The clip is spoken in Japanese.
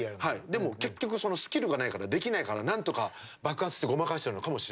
でも結局そのスキルがないからできないからなんとか爆発してごまかしてるのかもしれないわ。